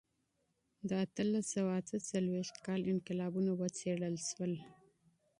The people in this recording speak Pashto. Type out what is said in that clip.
د اتلس سوه اته څلوېښتم کال انقلابونه وڅېړل سول.